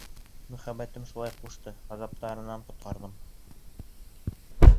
Мөхәббәтем шулай ҡушты, ғазаптарынан ҡотҡарҙым.